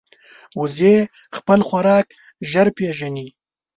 وزې خپل خوراک ژر پېژني